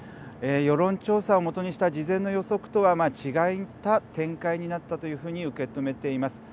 世論調査を基にした事前の予測とは違った展開になったというふうに受け止めています。